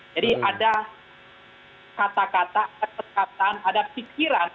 jadi ada kata kata ada perkataan ada pikiran